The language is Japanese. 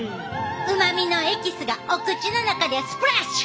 うまみのエキスがお口の中でスプラッシュ！